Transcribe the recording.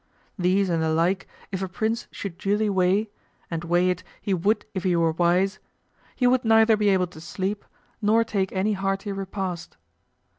These and the like if a prince should duly weigh, and weigh it he would if he were wise, he would neither be able to sleep nor take any hearty repast.